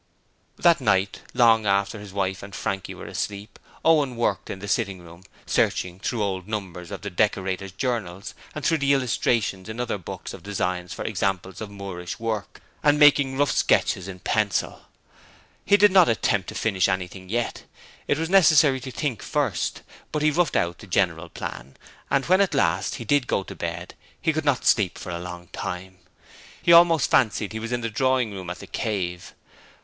That night, long after his wife and Frankie were asleep, Owen worked in the sitting room, searching through old numbers of the Decorators' Journal and through the illustrations in other books of designs for examples of Moorish work, and making rough sketches in pencil. He did not attempt to finish anything yet: it was necessary to think first; but he roughed out the general plan, and when at last he did go to bed he could not sleep for a long time. He almost fancied he was in the drawing room at the 'Cave'.